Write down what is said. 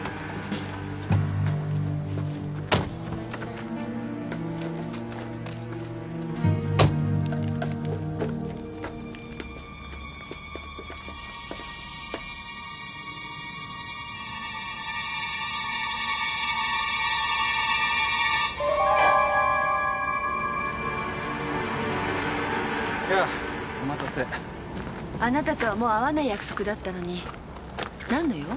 あなたとはもう会わない約束だったのに何の用？